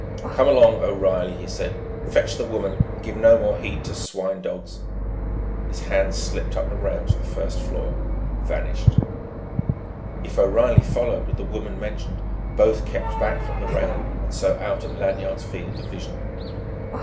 "Come along, O'Reilly," he said. "Fetch the woman, and give no more heed to swine dogs!" His hand slipped up the rail to the first floor, vanished. If O'Reilly followed with the woman mentioned, both kept back from the rail and so out of Lanyard's field of vision.